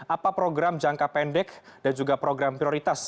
apa program jangka pendek dan juga program prioritas